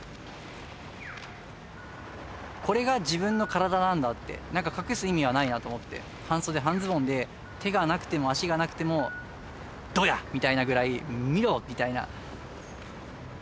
これが自分の体なんだって、なんか隠す意味はないなって思って、半袖半ズボンで、手がなくても足がなくても、どやみたいなぐらい、見ろ、みたいな。